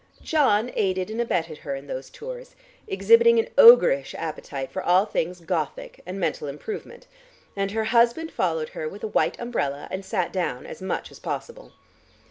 John aided and abetted her in those tours, exhibiting an ogreish appetite for all things Gothic and mental improvement; and her husband followed her with a white umbrella and sat down as much as possible.